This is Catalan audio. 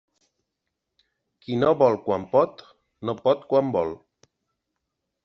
Qui no vol quan pot, no pot quan vol.